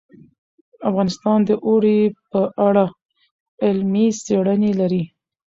افغانستان د اوړي په اړه علمي څېړنې لري.